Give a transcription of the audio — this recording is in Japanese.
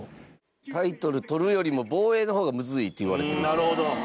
タイトルとるよりも防衛の方がむずいっていわれてるんですよ。